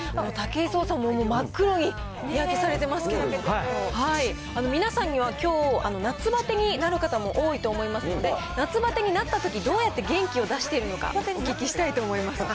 武井壮さんももう真っ黒に日焼けされていますけど、皆さんにはきょう、夏バテになる方も多いと思いますので、夏バテになったとき、どうやって元気を出しているのか、お聞きしたいと思います。